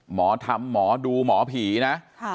หมอทำหมอดูหมอผีนะ